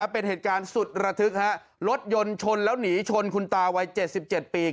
เป็นเหตุการณ์สุดระทึกฮะรถยนต์ชนแล้วหนีชนคุณตาวัยเจ็ดสิบเจ็ดปี